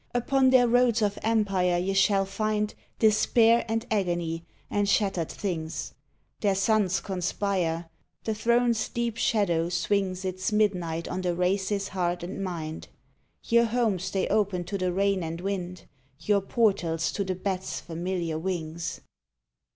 Upon their roads of empire ye shall find Despair and agony and shattered things. Their suns conspire; the throne s deep shadow swings Its midnight on the race s heart and mind; Your homes they open to the rain and wind, Your portals to the bat s familiar wings.